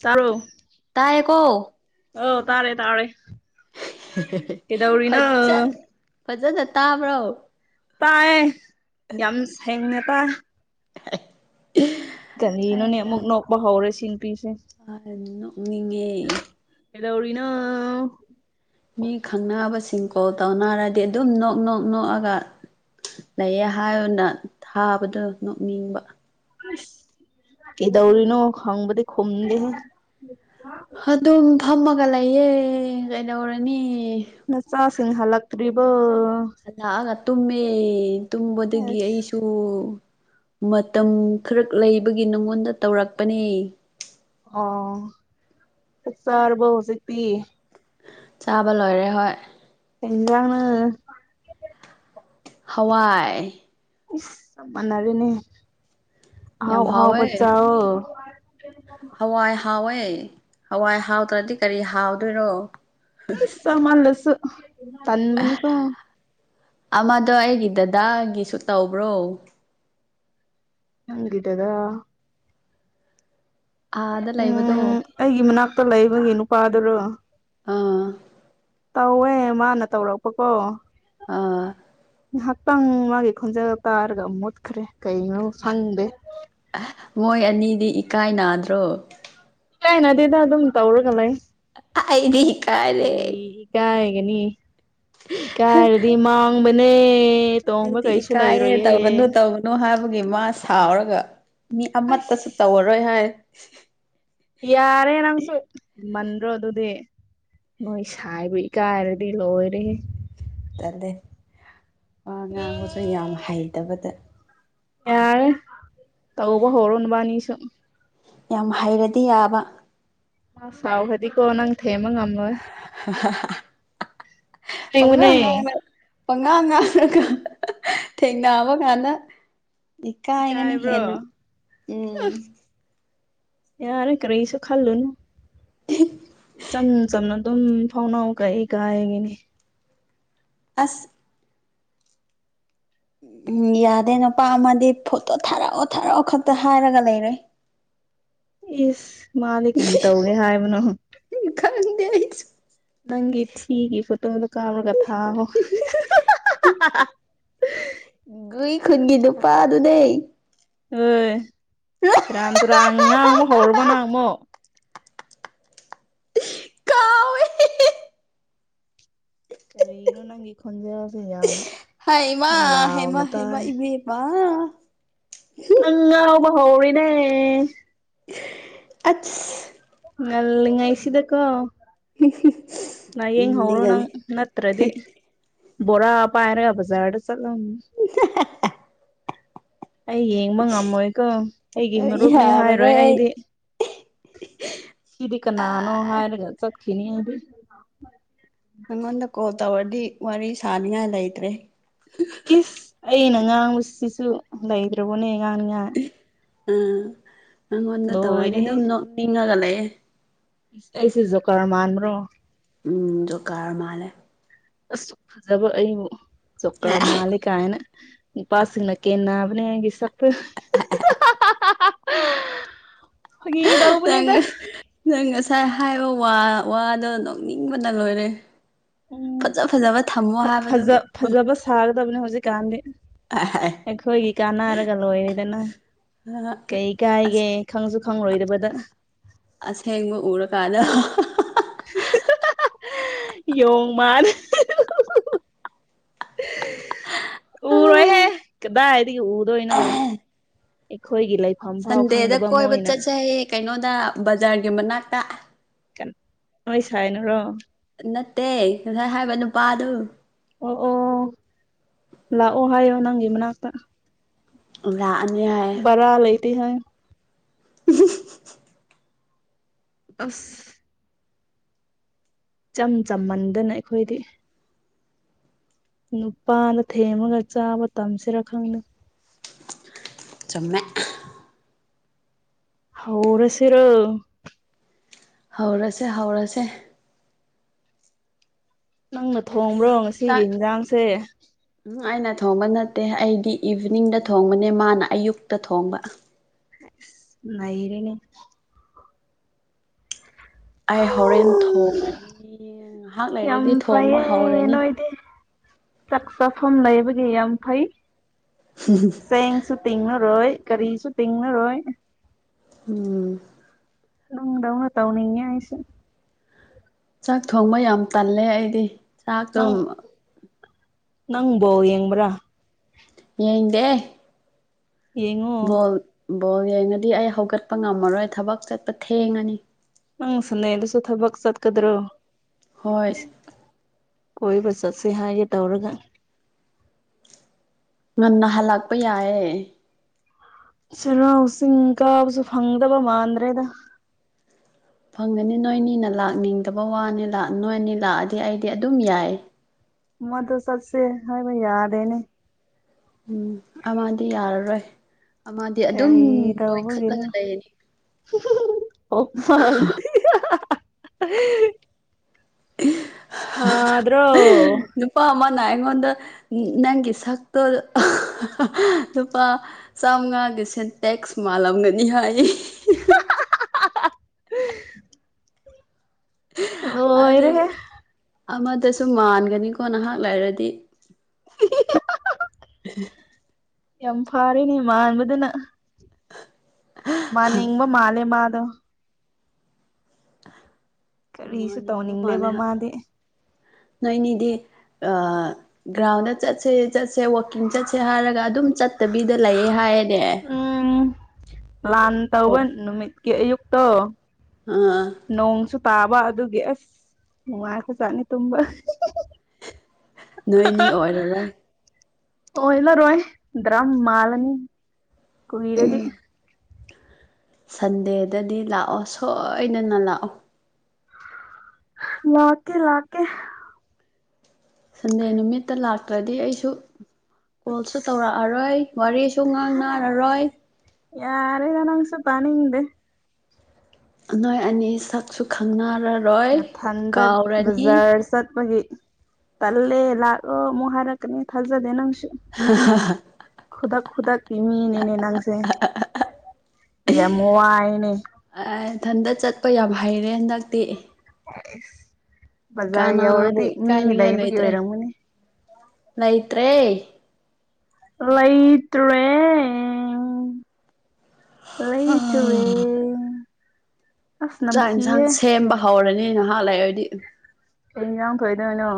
ꯆꯔꯣ ꯇꯥꯏꯌꯦꯀꯣ ꯑ ꯇꯥꯔꯦ ꯇꯥꯔꯦ ꯀꯩꯗꯧꯔꯤꯅꯣ ꯐꯖ ꯐꯖꯅ ꯇꯥꯕ꯭ꯔꯣ ꯇꯥꯏ ꯌꯥꯝ ꯁꯦꯡꯅ ꯇꯥꯏ [unintelligible] [inaudible] ꯀꯔꯤꯅꯣꯟ ꯑꯃꯨꯛ ꯅꯣꯛꯄ ꯍꯧꯔꯦ ꯁꯤ ꯅꯨꯄꯤꯁꯦ ꯅꯣꯡꯅꯤ ꯂꯧꯔꯤꯅ ꯃꯤ ꯈꯪꯅꯕꯁꯤꯡ ꯀꯣꯜ ꯇꯧꯅꯔꯗꯤ ꯑꯗꯨꯝ ꯅꯣꯛ ꯅꯣꯛ ꯅꯣꯛꯑꯒ ꯂꯩꯌꯦ ꯍꯥꯏꯅ ꯊꯥꯕꯗꯣ ꯅꯣꯛꯅꯤꯡꯕ ꯀꯩꯗꯧꯔꯤꯅꯣ ꯍꯪꯕꯗꯤ ꯈꯨꯝꯗꯦ ꯑꯗꯨꯝ ꯐꯝꯃꯒ ꯂꯩꯌꯦ ꯀꯩꯗꯧꯔꯅꯤ ꯅꯆꯥꯥ ꯁꯤꯁꯤꯡꯍ ꯂ ꯀꯔꯤꯕ ꯑꯗꯑꯒ ꯇꯨꯝꯃꯦꯃꯦ ꯇꯨꯝꯕꯗꯒꯤ ꯑꯁ ꯑꯩꯁꯨ ꯃꯇꯝ ꯈꯔ ꯂꯩꯕꯒꯤ ꯅꯉꯣꯟꯗ ꯇꯧꯔꯛꯄꯅꯦ ꯑꯣ ꯆꯔꯕꯧ ꯁꯤꯛꯇꯤ ꯆꯥꯕ ꯂꯣꯏꯔꯦ ꯍꯣꯏ ꯏꯖꯥꯡꯅ ꯍꯋꯥꯏ ꯃꯅꯔꯅꯤ ꯌꯥꯝ ꯍꯥꯎ ꯍꯥꯎ ꯍꯥꯎꯋꯦ ꯄ ꯆ ꯍꯋꯥꯏ ꯍꯥꯎꯋꯦ ꯍꯋꯥꯏ ꯍꯥꯎꯇ꯭ꯔꯗꯤ ꯀꯔꯤ ꯍꯥꯎꯗꯣꯏꯔꯣ ꯏꯃꯜꯁꯨ ꯇꯟ ꯃꯅꯤꯒꯣ ꯑꯃꯗꯣ ꯑꯩꯒꯤ ꯗꯗꯥꯒꯤꯁꯨ ꯇꯧꯕ꯭ꯔꯣ ꯍꯪꯗꯗ ꯑꯥꯗ ꯎꯝ ꯂꯩꯕꯗꯣ ꯑꯩꯒꯤ ꯃꯅꯥꯛꯇ ꯂꯩꯕꯒꯤ ꯅꯨꯄꯥꯗꯨꯔꯣ ꯑꯥ ꯇꯧꯋꯦ ꯃꯥꯅ ꯇꯧꯔꯛꯄꯀꯣ ꯑ ꯉꯥꯏꯍꯥꯛꯇꯪ ꯃꯥꯒꯤ ꯈꯣꯟꯖꯦꯜ ꯇꯥꯔꯒ ꯃꯨꯠꯈ꯭ꯔꯦ ꯀꯩꯅꯣ ꯁꯪꯗꯦ ꯃꯣꯏ ꯑꯅꯤꯗꯤ ꯏꯀꯥꯏ ꯅꯥꯗ꯭ꯔꯣ ꯏ ꯀꯥꯏꯅꯗꯤꯗ ꯑꯗꯨꯝ ꯇꯧꯔꯒ ꯂꯩ ꯍꯥꯏꯗꯤ ꯀꯔꯤ ꯏꯀꯥꯏꯒꯅꯤ ꯏꯀꯥꯏꯔꯗꯤ ꯃꯥꯡꯕꯅꯦ ꯇꯣꯡꯕ ꯑꯩꯗꯤ ꯀꯩꯁꯨ ꯏꯀꯥꯏꯌꯦ ꯇꯧꯒꯅꯨ ꯂꯩꯔꯣꯏꯌꯦ ꯇꯧꯒꯅꯨ ꯍꯥꯏꯕꯒꯤ ꯃꯥ ꯁꯥꯎꯔꯒ ꯃꯤ ꯑꯃꯠꯇꯁꯨ ꯑꯁ ꯇꯧꯔꯔꯣꯏ ꯍꯥꯏ ꯌꯥꯔꯦ ꯅꯪꯁꯨ ꯃ ꯭ꯔꯣ ꯑꯗꯨꯗꯤ ꯅꯣꯏ ꯁꯥꯏꯕ ꯏ ꯀꯥꯏꯔꯗꯤ ꯂꯣꯏꯔꯦ ꯆꯠꯂꯦ ꯑ ꯉꯥꯡꯕꯁꯨ ꯌꯥꯝ ꯍꯩꯇꯕꯗ ꯌꯥꯔꯦ ꯇꯧꯕꯕꯨ ꯍꯔꯟꯕꯥꯅꯤꯁꯨ ꯌꯥꯝ ꯍꯩꯔꯗꯤ ꯌꯥꯕ ꯃꯥ ꯁꯥꯎꯕꯗꯤ ꯀꯣ ꯅꯪ ꯊꯦꯃ ꯉ ꯑꯃ ꯄꯉꯥꯉꯥꯡꯅꯦ ꯄꯉꯥꯉꯥꯡ ꯊꯦꯡꯅ ꯑꯃ ꯀꯥꯟꯗ ꯏ ꯀꯥꯏꯒꯅꯤ ꯏꯀꯥꯏꯕ꯭ꯔꯣ ꯍꯦꯟꯅ ꯎꯝ ꯌꯥꯔ ꯀꯁꯨ ꯈꯜꯂꯨꯅ [inaudible] ꯆꯝ ꯆꯝꯅ ꯑꯗꯨꯝ ꯐꯥꯎꯅꯥꯎ ꯀꯛꯏ ꯀꯥꯏ ꯍꯥꯏꯉꯅꯦ ꯑꯁ ꯎꯝ ꯌꯥꯗꯦ ꯅꯨꯄꯥ ꯑꯃꯗꯤ ꯐꯣꯇꯣ ꯊꯥꯔꯛꯑꯣ ꯊꯥꯔꯛꯑꯣ ꯈꯛꯇ ꯍꯥꯏꯔꯒ ꯂꯩꯔꯦ [inaudible] ꯏꯁ ꯃꯥꯗꯤ ꯀꯔꯤ ꯇꯧꯒꯦ ꯍꯥꯏꯕꯅꯣ ꯈꯟꯗꯏꯁ ꯅꯪꯒꯤ ꯊꯤꯒꯤ ꯐꯣꯇꯣꯗꯣ ꯀꯥꯞꯔꯒ ꯊꯥꯔꯣ [inaudible] ꯒꯨꯏ ꯈꯨꯟꯒꯤ ꯅꯨꯄꯥꯗꯨꯗꯩ ꯑꯣ ꯁꯤꯔꯥꯟꯇꯔ ꯑꯉꯉꯥꯡꯪꯕꯣ ꯍꯔꯃꯅꯪꯕꯣ ꯀꯥꯎꯋꯋꯦ ꯀꯔꯤꯅꯣ ꯅꯪꯒꯤ ꯈꯣꯟꯖꯕ ꯌꯥꯝꯌꯥꯝ ꯍ ꯍꯩꯃ ꯍꯦꯃ ꯍꯦꯃ ꯏꯕꯕ ꯅꯪꯉꯧꯕ ꯍꯧꯅꯦ ꯑꯁ ꯉꯥꯏꯁꯤꯗꯀꯣ ꯂꯌꯦꯡꯍꯧꯔꯣ ꯅꯪ ꯅꯤꯡꯒꯅꯤ ꯅꯠꯇ꯭ꯔꯗꯤ ꯕꯣꯔꯥ ꯄꯥꯏꯔꯒ ꯕꯖꯥꯔꯗ ꯆꯠꯂꯝ ꯑꯩ ꯌꯦꯡꯕ ꯉꯝꯃꯣꯏꯀꯣ ꯑꯩꯒꯤ ꯃꯔꯨꯞꯅꯤ ꯌꯥꯔꯔꯣꯏ ꯍꯥꯏꯔꯣꯏ ꯑꯩ ꯑꯩꯗꯤ ꯁꯤꯗꯤ ꯀꯅꯥꯅꯣ ꯑꯥ ꯍꯥꯏꯔꯒ ꯆꯈꯤꯅꯤ ꯍꯥꯏꯗꯤ ꯀꯣ ꯇꯧꯔꯗꯤ ꯋꯥꯔꯤ ꯁꯥꯅꯤꯡꯉꯥꯏ ꯂꯩꯇ꯭ꯔꯦ ꯏꯁ ꯑꯩꯅ ꯉꯥꯡꯕꯁꯤꯁꯨ ꯂꯩꯗ꯭ꯔꯕꯣꯅꯦ ꯉꯥꯡꯅꯤꯉꯥꯏ ꯎꯝ ꯅꯉꯣꯟꯗ ꯇꯧꯔꯗꯤ ꯑꯗꯨꯝ ꯅꯣꯛꯅꯤꯡꯉꯒ ꯂꯩꯑꯦ ꯁꯤꯁꯨ ꯀꯥꯔ ꯃꯥꯥꯟꯕ꯭ꯔꯣ ꯎꯝ ꯖꯣꯀꯥꯔ ꯃꯥꯂꯦ ꯑꯁ ꯐꯖꯕ ꯑꯩꯕꯨ ꯆꯀ꯭ꯔ ꯃꯥꯜꯂꯤ ꯀꯥꯏꯅ ꯅꯨꯄꯥꯁꯤꯡꯅ ꯀꯦ ꯅꯦ ꯍꯥꯏ ꯁꯄ ꯅꯪ ꯇꯧꯕꯅꯦꯗ ꯅꯪ ꯉꯁꯥꯏ ꯍꯥꯏꯕ ꯋꯥꯗꯣ ꯅꯣꯛꯅꯤꯡꯕꯗ ꯂꯣꯏꯔꯦ ꯐꯖ ꯐꯖꯕ ꯊꯝꯃꯣ ꯎꯝ ꯍꯥꯏꯕꯗꯣ ꯐꯖ ꯐꯖꯕ ꯁꯥꯒꯗꯕꯅꯦ ꯍꯧꯖꯤꯛꯀꯥꯟꯗꯤ ꯑꯩꯈꯣꯏꯒꯤ ꯀꯥꯟꯅꯔꯒ ꯂꯣꯏꯔꯦꯗꯅ ꯀꯩ ꯀꯥꯏꯒꯦ ꯑꯁ ꯈꯪꯁꯨ ꯈꯪꯂꯣꯏꯗꯔꯕꯗ ꯑꯁꯦꯡꯕ ꯎꯔꯀꯥꯟꯗ ꯌꯣ ꯃꯥꯅꯦ [inaudible] ꯎꯔꯣꯏꯍꯦ ꯀꯗꯥꯏꯗꯒꯤ ꯎꯗꯣꯏꯅꯣ ꯑꯩꯈꯣꯏꯒꯤ ꯂꯩ ꯁꯟꯗꯦꯗ ꯀꯣꯏꯕ ꯆꯠꯁꯩꯌꯦ ꯀꯩꯅꯣꯗ ꯕꯖꯥꯔꯒꯤ ꯃꯅꯥꯛꯇ ꯀ ꯅꯣꯏ ꯁꯥꯏꯅꯔꯣ ꯅꯠꯇꯦ ꯉꯁꯥꯏ ꯍꯥꯏꯕ ꯅꯨꯄꯥꯗꯨ ꯑꯣ ꯑꯣ ꯂꯥꯛꯑꯣ ꯍꯥꯏꯌꯣ ꯅꯪꯒꯤ ꯃꯅꯥꯛꯇ ꯂꯥꯛꯑꯅꯤ ꯍꯥꯏ ꯕꯔ ꯂꯩꯩꯇ ꯍꯣꯏ [inaudible] ꯑꯁ ꯏꯆꯝ ꯆꯃꯟꯗꯅ ꯑꯩꯈꯣꯏꯗꯤ ꯅꯨꯄꯥꯅ ꯊꯦꯝꯃꯒ ꯆꯥꯕ ꯇꯝꯁꯤꯔ ꯈꯪꯅ ꯆꯃꯦ ꯍꯔ ꯁꯤꯔ ꯍꯧꯔꯁꯦ ꯍꯧꯔꯁꯦ ꯅꯪꯅ ꯑꯁ ꯊꯣꯡꯕ꯭ꯔꯣ ꯉꯁꯤꯒꯤ ꯆꯥꯛ ꯌꯦꯟꯁꯥꯡꯁꯦ ꯎꯝ ꯑꯩꯅ ꯊꯣꯡꯕ ꯅꯠꯇꯦ ꯑꯩꯗꯤ ꯏꯚꯤꯅꯤꯡꯗ ꯊꯣꯡꯕꯅꯦ ꯃꯥꯅ ꯑꯌꯨꯛꯇ ꯊꯣꯡꯕ ꯃꯍꯩꯔꯅꯦ ꯑꯩ ꯍꯣꯔꯦꯟ ꯊꯣꯡꯉꯅꯤ ꯉꯥꯏꯍꯥꯛ ꯌꯥꯝ ꯂꯩꯔꯗꯤ ꯊꯣꯡꯕ ꯐꯩꯌꯦ ꯍꯧꯔꯅꯤ ꯅꯣꯏꯗꯤ ꯆꯥꯛ ꯆꯥꯐꯝ ꯂꯩꯕꯒꯤ ꯌꯥꯝ ꯐꯩ ꯆꯦꯡꯁꯨ ꯇꯤꯡꯉꯔꯣꯏ ꯀꯔꯤꯁꯨ ꯇꯤꯡꯅꯔꯣꯏ ꯎꯝ ꯎꯅꯨꯡ ꯇꯧꯅ ꯇꯧꯅꯤꯦ ꯍꯥꯏꯁ ꯆꯥꯛ ꯊꯣꯡꯕ ꯌꯥꯝ ꯇꯜꯂꯦ ꯑꯩꯗꯤ ꯆꯥꯛꯇꯣ ꯅꯪꯕꯣ ꯌꯦꯡꯕ꯭ꯔꯥ ꯌꯦ ꯏꯗꯦ ꯌꯦꯡꯉꯣ ꯕꯣꯜ ꯌꯦꯡꯉꯗꯤ ꯑꯩ ꯍꯧꯒꯠꯄ ꯉꯝꯃꯔꯣꯏ ꯊꯕꯛ ꯆꯠꯄ ꯊꯦꯡꯉꯅꯤ ꯅꯪ ꯁꯅ ꯑꯗꯨꯁꯨꯣ ꯊꯕꯛ ꯆꯠ ꯀꯗ꯭ꯔꯣ ꯍꯣꯏ ꯀꯣꯏꯕ ꯆꯠꯁꯤꯦ ꯍꯥꯏꯒꯦ ꯇꯧꯔꯒ ꯉꯟꯅ ꯍꯜꯂꯛꯄ ꯌꯥꯏꯌꯦ ꯁꯔꯁꯤꯡ ꯀꯥꯕꯁꯨ ꯐꯪꯗꯕ ꯃꯥꯟꯗ꯭ꯔꯦꯗ ꯐꯪꯒꯅꯤ ꯅꯣꯏꯅꯤꯅ ꯂꯥꯛꯅꯤꯡꯗꯕ ꯋꯥꯅꯤ ꯅꯣꯏꯅꯤ ꯂꯥꯛꯑꯗꯤ ꯑꯩꯗꯤ ꯑꯗꯨꯝ ꯌꯥꯏ ꯃꯗꯨ ꯆꯠꯁꯦ ꯍꯥꯏꯕ ꯌꯥꯗꯦꯅꯦ ꯎꯝ ꯑꯃꯗꯤ ꯌꯥꯔꯔꯣꯏ ꯑꯃꯗꯤ ꯑꯗꯨꯝ ꯀꯔꯤ ꯅꯣꯏ ꯈꯠꯂꯒ ꯇꯧꯕꯒꯤꯅꯣ ꯂꯩꯅꯤ [unintelligible] ꯑꯣꯛ ꯃꯥꯜꯂꯦ [unintelligible] [unintelligible] ꯁꯥꯗ꯭ꯔꯣ ꯅꯥ ꯑꯩꯉꯣꯟꯗ ꯅꯪꯒꯤ ꯁꯛꯇꯣ ꯂꯨꯄꯥ ꯆꯥꯝꯃꯉꯥ ꯃꯥꯒꯤ ꯁꯦꯟꯇꯦꯛꯁ ꯃꯥꯜꯂꯝꯒꯅꯤ ꯍꯥꯏꯌꯦ [inaudible] ꯍꯥ ꯍꯥ ꯍꯥ ꯍꯥ ꯍꯥ ꯑꯗꯨꯒ ꯂꯣꯏꯔꯦꯍꯦ ꯑꯃꯗꯁꯨ ꯃꯥꯟꯒꯅꯤꯀꯣ ꯅꯍꯥꯛ ꯂꯩꯔꯗꯤ [inaudible] ꯌꯥꯝ ꯐꯥꯔꯦꯅꯦ ꯃꯥꯟꯕꯗꯨꯅ ꯃꯥꯟ ꯅꯤꯡꯕ ꯃꯥꯜꯂꯦ ꯃꯥꯗꯣ ꯀꯔꯤꯁꯨ ꯃꯥꯟꯅꯤꯡꯕ ꯇꯧꯅꯤꯡꯗꯦꯕ ꯃꯥꯜꯂꯦ ꯃꯥꯗꯤ ꯅꯣꯏꯅꯤꯗꯤ ꯒ꯭ꯔꯥꯎꯟꯗ ꯆꯠꯁꯦ ꯆꯠꯁꯦ ꯋꯥꯛꯀꯤꯡ ꯆꯠꯁꯦ ꯍꯥꯏꯔꯒ ꯑꯗꯨꯝ ꯆꯠꯇꯕꯤꯗ ꯂꯩꯌꯦ ꯍꯥꯏꯌꯦꯅꯦ ꯎꯝ ꯂꯥꯟ ꯑꯣ ꯇꯧꯕ ꯅꯨꯃꯤꯠꯀꯤ ꯑꯌꯨꯛꯇꯣ ꯑꯥ ꯅꯣꯡꯁꯨ ꯇꯥꯕ ꯑꯗꯨꯒꯤ ꯑꯁ ꯅꯨꯡꯉꯥꯏ ꯈ꯭ꯔꯥ ꯖꯥꯠꯅꯤ ꯇꯨꯝꯕ ꯅꯣꯏꯅꯤ ꯑꯣꯏꯔꯔꯣꯏ ꯑꯣꯏ ꯔꯔꯣꯏ ꯗ꯭ꯔꯝ ꯃꯥꯂꯅꯤ ꯀꯨꯏꯔꯗꯤ ꯁꯟꯗꯦꯗꯗꯤ ꯂꯥꯛꯑꯣ ꯁꯣꯏꯗꯅ ꯂꯥꯛꯑꯣ ꯂꯥꯛꯀꯦ ꯂꯥꯛꯀꯦ ꯁꯟꯗꯦ ꯅꯨꯃꯤꯠꯇ ꯂꯥꯛꯇ꯭ꯔꯗꯤ ꯑꯩꯁꯨ ꯀꯣꯜꯁꯨ ꯇꯧꯔꯛꯑꯔꯣꯏ ꯋꯥꯔꯤꯁꯨ ꯉꯥꯡ ꯅꯔꯥꯔꯣꯏ ꯌꯔꯦꯗꯥ ꯅꯪꯁꯨ ꯇꯅꯤꯡꯗꯦ ꯅꯣꯏ ꯑꯅꯤ ꯁꯛꯁꯨ ꯈꯪꯅꯔꯥ ꯅꯊꯟꯗ ꯕꯖꯥ꯭ꯔ ꯆꯠꯄꯒꯤ ꯇꯜꯂ‌ꯦ ꯂꯥꯛꯑꯣ ꯃꯨꯛ ꯍꯥꯔꯛꯀꯅꯤ ꯊꯖꯗꯦ ꯅꯪꯁ‌ꯦ ꯍꯥ ꯍꯥ ꯍꯥ ꯄꯤꯃꯤꯅꯦꯅꯦ ꯅꯪꯁꯦ ꯌꯥꯝ ꯋꯥꯏꯅꯦ ꯏꯊꯟꯇ ꯆꯠꯄ ꯌꯥꯝ ꯍꯩꯔꯦ ꯍꯟꯗꯛꯇꯤ ꯑꯦꯁ ꯕꯖꯥ꯭ꯔ ꯀꯅꯥꯕꯨ ꯌꯧꯔꯗꯤ ꯃꯤ ꯂꯩꯕꯒꯤ ꯑꯣꯏꯔꯝ ꯒꯅꯤ ꯂꯩꯇ꯭ꯔ‌ꯦ ꯂꯩꯇ꯭ꯔꯦ ꯂꯩꯇꯥꯔꯦ ꯆꯥꯛ ꯌꯦꯟꯁꯥꯡ ꯁꯦꯝꯕ ꯍꯧꯔꯅꯤ ꯅꯍꯥꯛ ꯂꯩꯔꯗꯤ ꯀꯩ ꯏꯟꯁꯥꯡ ꯊꯣꯡꯗꯣꯏꯅꯣ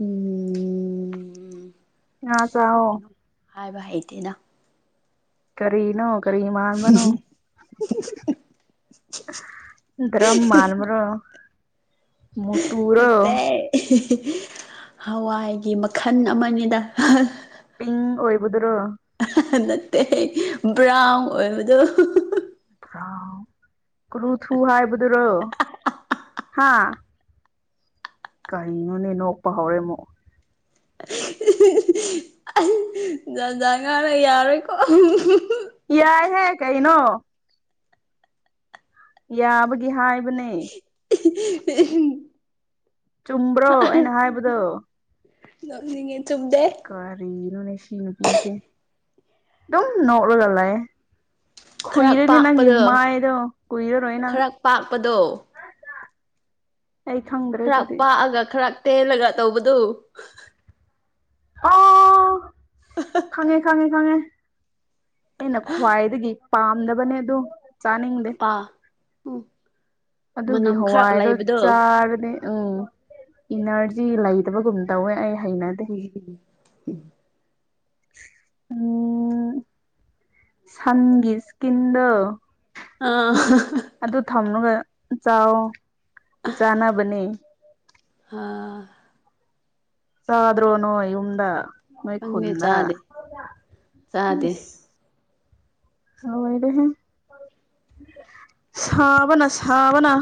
ꯎꯝ ꯉꯥ ꯆꯥꯎ ꯑꯣ ꯀꯩꯅꯣ ꯍꯥꯏꯕ ꯍꯩꯇꯦꯅ ꯀꯔꯤꯅꯣ ꯀꯔꯤ ꯃꯥꯟꯕꯅꯣ ꯗ꯭ꯔꯝ ꯃꯥꯟꯕꯔꯣ ꯅꯠꯇꯦ ꯍꯋꯥꯏꯒꯤ ꯃꯈꯜ ꯑꯃꯅꯤꯗ ꯄꯤꯡ ꯑꯣꯏꯕꯗꯨꯔꯣ ꯅꯠꯇꯦ ꯕ꯭ꯔꯥꯎꯟ ꯑꯣꯏꯕꯗꯣ ꯀ꯭ꯔꯨ ꯊꯨ ꯍꯥꯏ ꯕꯗꯨꯔꯣ ꯍꯥꯥ ꯀꯩꯅꯣꯅꯦ ꯅꯣꯛꯄ ꯍꯧꯔꯦ ꯑꯃꯨꯛ ꯑꯩ ꯖꯟꯖꯥ ꯉꯥꯅ ꯌꯥꯔꯣꯏꯀꯣ ꯀꯩꯩꯅꯣ ꯌꯥꯕꯒꯤ ꯍꯥ ꯎ [unintelligible] [inaudible] ꯆꯨꯝꯕ꯭ꯔꯣ ꯑꯩꯅ ꯍꯥꯏꯕꯗꯣ ꯅꯪ ꯀꯔꯤꯅꯅꯦ ꯁꯤ ꯅꯨꯄꯤꯁꯦꯝ ꯅꯣꯛꯂꯒꯂꯑꯦ ꯈꯔ ꯈꯨꯏꯔꯅꯤ ꯅꯪ ꯄꯥꯛꯄꯗꯣ ꯏꯃꯗꯣ ꯈꯨꯏꯔꯔꯣꯣꯏ ꯅꯪ ꯈꯔ ꯄꯥꯛꯄꯗꯣ ꯑꯩ ꯈꯪꯗ꯭ꯔꯦ ꯈꯔ ꯑꯗꯨꯗꯤ ꯄꯥꯛꯑꯒ ꯈꯔ ꯇꯦꯜꯂꯒ ꯇꯧꯕꯗꯨ ꯑꯣ ꯈꯥꯉꯦ ꯈꯥꯉꯦ ꯈꯥꯉꯦ ꯑꯩꯅ ꯈ꯭ꯋꯥꯏꯗꯒꯤ ꯄꯥꯝꯗꯕꯅꯦ ꯑꯗꯨꯣ ꯆꯥꯅꯤꯡꯗꯦ ꯑꯣꯐ ꯑꯗꯨꯒꯤ ꯍꯋꯥꯏꯗꯣ ꯆꯥꯔꯅꯦ ꯎꯝ ꯏꯅꯔꯖꯤ ꯁꯤ ꯂꯩꯇꯕꯒꯨꯝ ꯇꯧꯋꯦ ꯑꯩ ꯍꯩꯅꯗꯦ ꯎꯝ ꯎꯝ ꯎꯝ ꯁꯪꯒꯁ ꯀꯤꯟꯗꯣ ꯑꯥ ꯑꯗꯨ ꯊꯝꯂꯒ ꯆꯥꯎ ꯆꯥꯅꯕꯅꯦ ꯑ [unintelligible] [inaudible] ꯆꯗ꯭ꯔꯣꯅꯣ ꯌꯃꯗ ꯃꯣꯏ ꯈꯪꯗꯦ ꯈꯨꯗꯥ ꯆꯥꯗꯦ ꯆꯥꯗꯦ ꯍꯗ ꯁꯕꯅ ꯁꯕꯅꯥ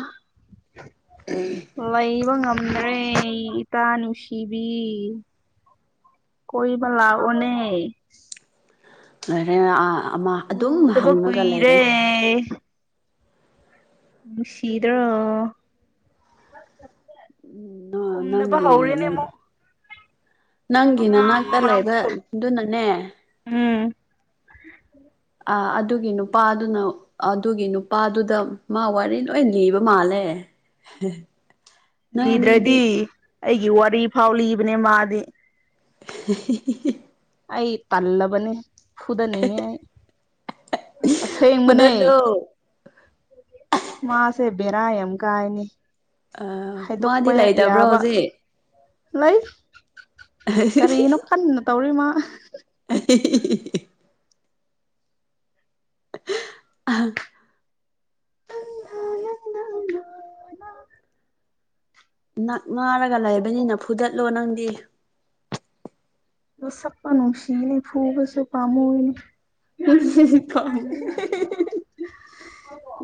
ꯋꯥ ꯏꯕ ꯅꯦ ꯏ ꯇꯅꯨꯁꯤꯕꯤ ꯀ ꯂꯥꯑꯣꯅꯦ ꯦ ꯑꯃ ꯑꯗꯨꯝ ꯎꯗꯕ ꯍꯪꯉꯒ ꯀꯨꯏꯔꯦ ꯂꯩꯔꯦ ꯎ ꯁꯤꯤꯗ꯭ꯔꯣ ꯈꯨꯝꯅꯕ ꯅꯪꯒꯤ ꯍꯧꯔꯦꯅꯦ ꯑꯃꯨ ꯨ ꯅꯪꯒꯤ ꯅꯅꯥꯛꯇ ꯂꯩꯕꯗꯨꯅꯅꯦ ꯎꯝ ꯑ ꯑꯗꯨꯒꯤ ꯅꯨꯄꯥꯗꯨꯅ ꯑꯗꯨꯒꯤ ꯅꯨꯄꯥꯗꯨꯗ ꯃꯥ ꯋꯥꯔꯤ ꯂꯣꯏ ꯂꯤꯕ ꯃꯥꯜꯂꯦ ꯍ [unintelligible] [inaudible] ꯂꯤꯗ꯭ꯔꯗꯤ ꯑꯩꯒꯤ ꯋꯥꯔꯤ ꯐꯥꯎ ꯂꯤꯕꯅꯦ ꯃꯥꯗꯤ [unintelligible] [inaudible] ꯑꯩ ꯇꯜꯂꯕꯅꯤ ꯐꯨꯗꯅꯤꯡꯉꯦ ꯑꯁꯦꯡꯕꯅꯦ ꯐꯨꯗꯠꯂꯣ ꯃꯥꯁꯦꯕꯦꯔ ꯑꯦꯝ ꯀꯥꯏꯅꯤ ꯑ ꯃꯥꯗꯤ ꯍꯥꯏꯗꯣꯛꯄ ꯂꯩꯇꯕ꯭ꯔꯣ ꯌꯥꯕ ꯍꯧꯖꯤꯛ ꯂꯩ ꯀꯔꯤꯅꯣ ꯀꯟꯅ ꯇꯧꯔꯤꯃ [unintelligible] [inaudible] ꯑ [unintelligible] [inaudible] ꯀꯚꯅꯃꯅ ꯅꯛ ꯉꯥꯔꯒ ꯂꯩꯕꯅꯤꯅ ꯐꯨꯗꯠꯂꯣ ꯅꯪꯗꯤ ꯁꯞꯄꯅꯅꯨꯡ ꯁꯤꯤꯅꯤ ꯐꯨꯒꯁꯨ ꯄꯥꯝꯃꯨ ꯑꯣꯏꯅꯤ ꯀ [unintelligible] [inaudible]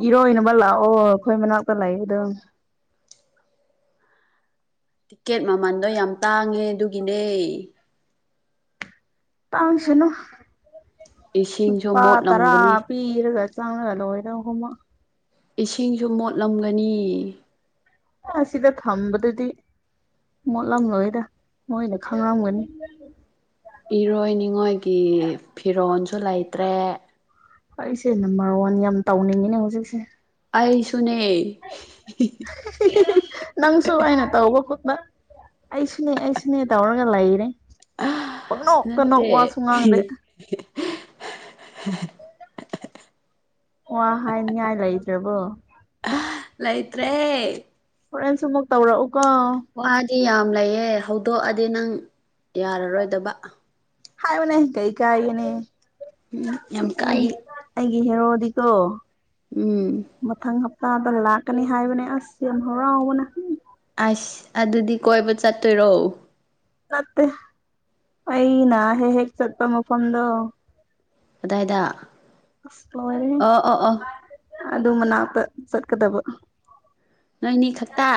ꯏꯔꯣꯏꯅꯕ ꯂꯥꯛꯑꯣ ꯑꯩꯈꯣꯏ ꯃꯅꯥꯛꯇ ꯂꯥꯛꯑꯦ ꯑꯗꯨꯝ [unintelligible] [inaudible] ꯇꯤꯛꯀꯦꯠ ꯃꯃꯟꯗꯣ ꯌꯥꯝ ꯇꯥꯡꯉꯦ ꯑꯗꯨꯒꯤꯅꯦ ꯇꯥꯡꯁꯤꯅꯣ ꯏꯁꯤꯡꯁꯨ ꯅꯨꯄꯥ ꯇꯔꯥ ꯃꯣꯠꯂꯝꯒꯅꯤ ꯄꯤꯔꯒ ꯆꯥꯡꯉꯂꯣꯗꯒꯃ ꯏꯁꯤꯡꯁꯨ ꯃꯣꯠꯂꯝꯒꯅꯤ ꯑ ꯁꯤꯗ ꯊꯝꯕꯗꯨꯗꯤ ꯃꯣꯠꯂꯝꯂꯣꯏꯗ ꯅꯣꯏꯅ ꯈꯪꯉꯝꯒꯅꯤ꯫ ꯏꯔꯣꯏꯅꯤꯡꯉꯣꯏꯒꯤ ꯐꯤꯔꯣꯜꯁꯨ ꯂꯩꯇ꯭ꯔꯦ꯫ ꯑꯩꯁꯦ ꯅꯝꯕꯔ ꯋꯥꯟ ꯌꯥꯝ ꯇꯧꯅꯤꯡꯉꯤꯅꯦ ꯍꯧꯖꯤꯛꯁꯦ꯫ ꯑꯩꯁꯨꯅꯦ ꯅꯪꯁꯨꯨ ꯍꯥꯏꯅ ꯇꯧꯕ ꯀꯨ ꯕ ꯑꯩꯁꯨꯅꯦ-ꯑꯩꯁꯨꯅꯦ ꯇꯧꯔꯒ ꯂꯩꯔꯦ꯫ ꯄꯪꯅꯣꯛꯇ ꯀꯅꯣ ꯅꯠꯇꯦ ꯋꯥꯁꯨ ꯉꯥꯡꯗꯦ꯫ [unintelligible] ꯑꯣ ꯋꯥ ꯍꯥꯏ ꯅꯤꯉꯥꯏ ꯂꯩꯇ꯭ꯔꯕꯣ꯫ ꯂꯩꯇ꯭ꯔꯦ ꯍꯣꯔꯦꯟꯁꯨ ꯃꯨꯛ ꯇꯧꯔꯛꯎꯀꯣ꯫ ꯁꯤ ꯌꯥꯝ ꯂꯩꯌꯦ ꯍꯧꯗꯣꯛꯑꯗꯤ ꯅꯪ ꯌꯥꯔꯔꯣꯏꯗꯕ꯫ ꯍꯥꯏꯑꫭꯅꯦ ꯀꯩ ꯀꯥꯏꯒꯦꯅꯦ꯫ ꯎꯝ ꯌꯥꯝ ꯀꯥꯏ꯫ ꯒꯤ ꯍꯦꯔꫭꯗꯤꯀꯣ ꯎꯝ ꯇꯥꯗ ꯂꯥꯛꯀꯅꯤ ꯍꯥꯏꯕꯅꯦ ꯑꯁ ꯌꯥꯝ ꯍꯔꯥꯎꯕꯅꯦ꯫ ꯑꯁ ꯑꯗꯨꯗꯤ ꯀꯣꯏꯕ ꯆꯠꯇꯣꯏꯔꯣ꯫ ꯅꯠꯇꯦ ꯑꯩꯅ ꯍꯦꯛ-ꯍꯦꯛ ꯆꯠꯄ ꯃꯐꯝꯗꯣ꯫ ꯑꯗꯥꯏꯗꯥ꯫ ꯑꯁ ꯂꯣꯏꯔꯦꯍꯦ ꯑꯗꯨ ꯃꯅꯥꯛꯇ ꯆꯠꯀꯗꯕ꯫ ꯅꯣꯏꯅꯤ ꯈꯛꯇ